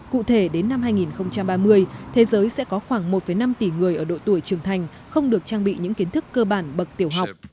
cụ thể đến năm hai nghìn ba mươi thế giới sẽ có khoảng một năm tỷ người ở độ tuổi trưởng thành không được trang bị những kiến thức cơ bản bậc tiểu học